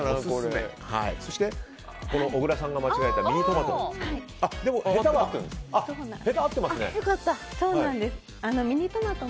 そして、小倉さんが間違えたミニトマト。